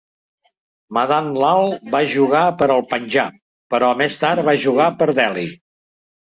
Madan Lal va jugar per al Panjab, però més tard va jugar per Delhi.